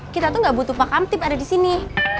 kita tuh gak butuh pak kantip ada di sini